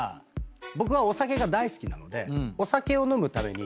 僕はお酒が大好きなので。